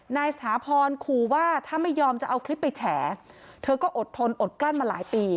นายสถาพรขู่ว่าถ้าไม่ยอมจะเอาคลิปไปแฉเธอก็อดทนอดกลั้นมาหลายปี